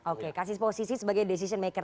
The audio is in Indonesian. oke kasih posisi sebagai decision maker